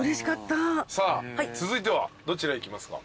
さあ続いてはどちら行きますか？